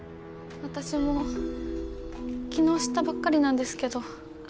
私も昨日知ったばっかりなんですけど。